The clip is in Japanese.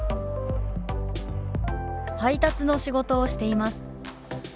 「配達の仕事をしています」。